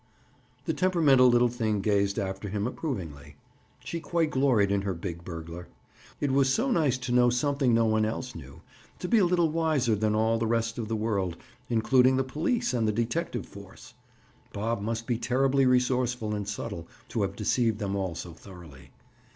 The temperamental little thing gazed after him approvingly; she quite gloried in her big burglar. It was so nice to know something no one else knew, to be a little wiser than all the rest of the world, including the police and the detective force! Bob must be terribly resourceful and subtle, to have deceived them all so thoroughly.